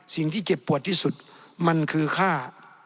สิ่งที่เก็บปวดที่สุดมันคือค่า